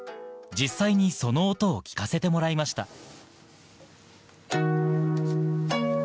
実際にその音を聞かせてもらいました。